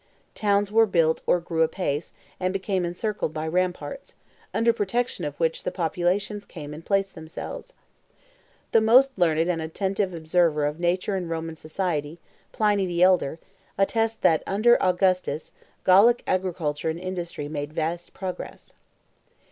Towns were built or grew apace and became encircled by ramparts, under protection of which the populations came and placed themselves. The most learned and attentive observer of nature and Roman society, Pliny the Elder, attests that under Augustus Gallic agriculture and industry made vast progress.